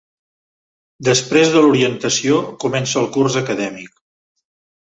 Després de l'Orientació, comença el curs acadèmic.